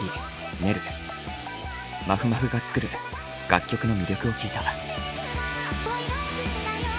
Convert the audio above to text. まふまふが作る楽曲の魅力を聞いた。